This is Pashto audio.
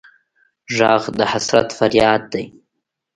غږ د حسرت فریاد دی